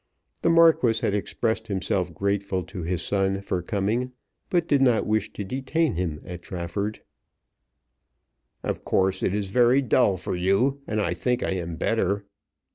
The Marquis had expressed himself grateful to his son for coming, but did not wish to detain him at Trafford. "Of course it is very dull for you, and I think I am better."